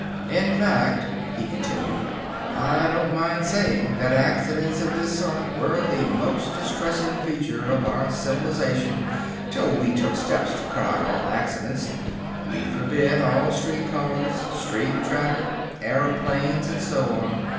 In fact," he continued, "I don't mind saying that accidents of this sort were the most distressing feature of our civilisation till we took steps to cut out all accidents. We forbid all street cars, street traffic, aeroplanes, and so on.